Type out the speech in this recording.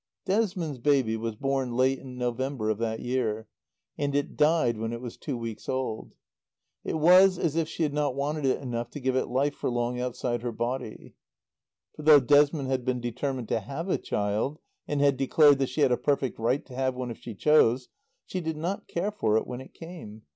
Desmond's baby was born late in November of that year, and it died when it was two weeks old. It was as if she had not wanted it enough to give it life for long outside her body. For though Desmond had been determined to have a child, and had declared that she had a perfect right to have one if she chose, she did not care for it when it came.